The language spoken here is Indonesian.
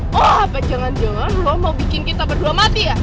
wah apa jangan jangan lo mau bikin kita berdua mati ya